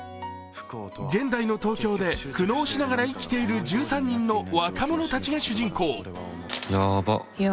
現代の東京で苦悩しながら生きている１３人の若者たちが主人公。